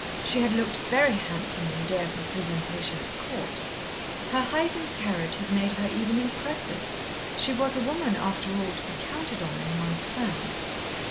She had looked very handsome on the day of her presentation at Court. Her height and carriage had made her even impressive. She was a woman, after all, to be counted on in one's plans.